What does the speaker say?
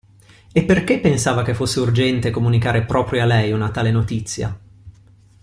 E perché pensava che fosse urgente comunicare proprio a lei una tale notizia?